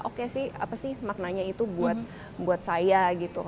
oke sih apa sih maknanya itu buat saya gitu